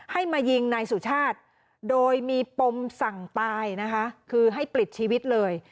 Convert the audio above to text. ให้มายิงนายสุชาติโดยมีปมสั่งตายนะคะคือให้ปลิดชีวิตเลย